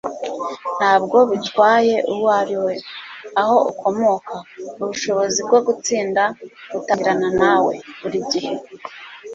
ntabwo bitwaye uwo uriwe, aho ukomoka. ubushobozi bwo gutsinda butangirana nawe. buri gihe